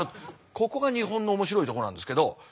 ここが日本の面白いところなんですけど。